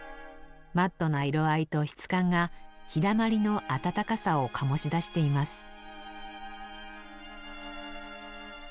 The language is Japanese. マットな色合いと質感が日だまりの暖かさを醸し出しています。